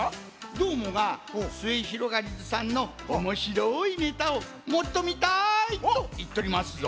どーもが「すゑひろがりずさんのおもしろいネタをもっとみたい」といっとりますぞ。